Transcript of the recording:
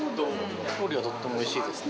料理はとってもおいしいですね。